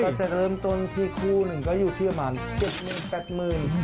ก็จะเริ่มจนที่ครูหนึ่งก็อยู่ที่ประมาณ๗๘๐๐๐๐